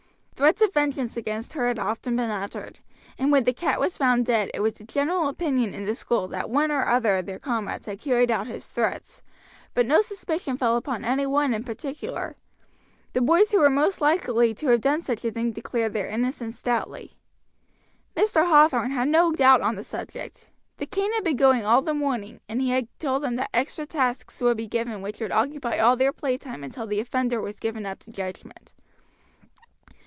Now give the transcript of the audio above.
Threats of vengeance against her had often been uttered, and when the cat was found dead it was the general opinion in the school that one or other of their comrades had carried out his threats, but no suspicion fell upon any one in particular. The boys who were most likely to have done such a thing declared their innocence stoutly. Mr. Hathorn had no doubt on the subject. The cane had been going all the morning, and he had told them that extra tasks would be given which would occupy all their playtime until the offender was given up to judgment.